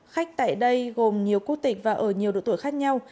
khách tại đây gồm nhiều quốc tịch và ở nhiều độ tuổi khác nhau